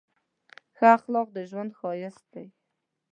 ښه اخلاق د ژوند ښایست دی.